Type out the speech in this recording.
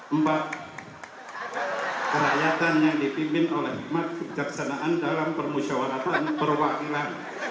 empat kerakyatan yang dipimpin oleh hikmat kebijaksanaan dalam permusyawaratan perwakilan